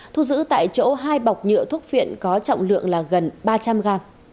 thu giữ tại chỗ hai bọc nhựa thuốc phiện có trọng lượng là gần ba trăm linh ga